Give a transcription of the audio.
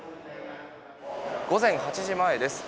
午前８時前です。